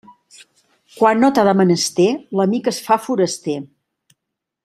Quan no t'ha de menester, l'amic es fa foraster.